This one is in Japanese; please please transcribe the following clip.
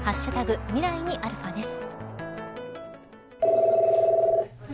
未来にαです。